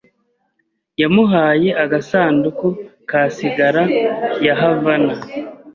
Yamuhaye agasanduku ka cigara ya Havana.